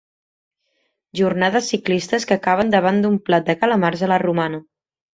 Jornades ciclistes que acaben davant d'un plat de calamars a la romana.